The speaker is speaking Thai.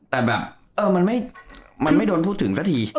แต่แบบมันไม่โดนพูดถึงซะที